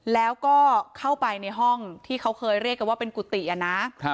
แล้วก็เข้าไปในห้องที่เขาเคยเรียกกันว่าเป็นกุฏิอะนะ